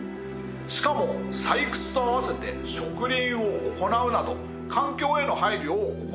しかも採掘と併せて植林を行うなど環境への配慮を行っていたこと。